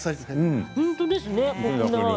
本当ですね。